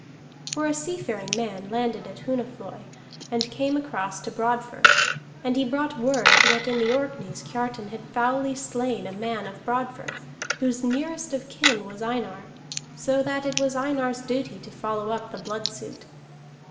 For a seafaring man landed at Hunafloi, and came across to Broadfirth; and he brought word that in the Orkneys Kiartan had foully slain a man of Broadfirth, whose nearest of kin was Einar, so that it was Einar's duty to follow up the blood suit.